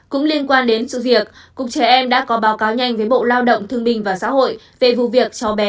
cũng liên quan đến sự việc cục trẻ em đã có báo cáo nhanh với bộ lao động thương binh và xã hội về vụ việc cho bé